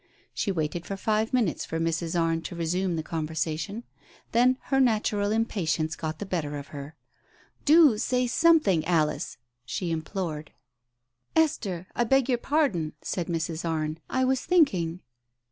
She waited for five minutes for Mrs. Arne to resume the conversation, then her natural impatience got the better of her. " Do say something, Alice !" she implored. Digitized by Google THE PRAYER 101 "Esther, I beg your pardon!" said Mrs. Arne. "I was thinking."